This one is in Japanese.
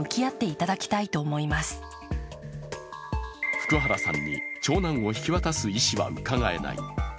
福原さんに長男を引き渡す意思はうかがえない。